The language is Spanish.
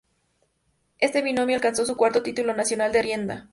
Este binomio alcanzó su cuarto título nacional de rienda.